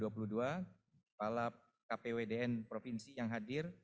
kepala kpwdn provinsi yang hadir